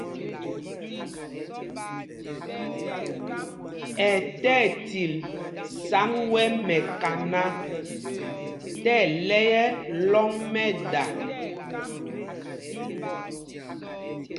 Ɛ ti ɛtil sǎŋg wɛ̄ mɛkana tí ɛlɛ̄y ɛ lɔ̂ŋ mɛ́da.